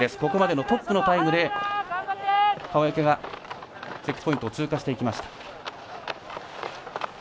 ここまでのトップのタイムで川除がチェックポイントを通過していきました。